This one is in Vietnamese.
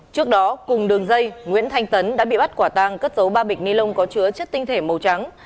trước đó cùng đường dây nguyễn thanh tấn đã bị bắt quả tang cất dấu ba bịch ni lông có chứa chất tinh thể màu trắng